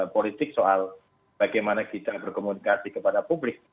politik soal bagaimana kita berkomunikasi kepada publik